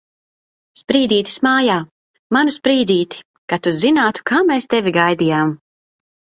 Sprīdītis mājā! Manu Sprīdīti! Kad tu zinātu, kā mēs tevi gaidījām!